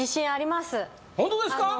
本当ですか？